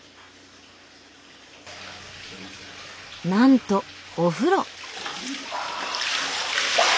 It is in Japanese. なんとお風呂。